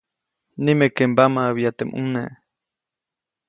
Nimeke mbamaʼäbya teʼ ʼmune.